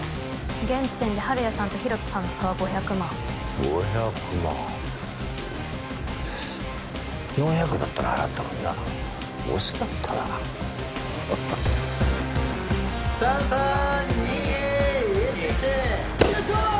現時点でハルヤさんとヒロトさんの差は５００万５００万４００だったら払ったのにな惜しかったな３３２１１よいしょ！